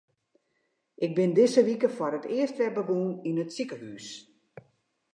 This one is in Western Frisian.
Ik bin dizze wike foar it earst wer begûn yn it sikehús.